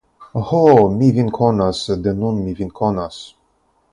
Ho, mi vin konas, de nun mi vin konas!